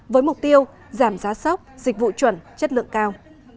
với mục tiêu giảm giá sóc dịch vụ chuẩn chất lượng cao